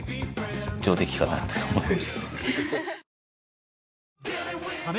上出来かなって思います。